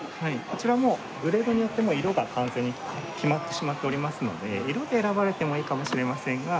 こちらもグレードによって色が完全に決まってしまっておりますので色で選ばれてもいいかもしれませんが。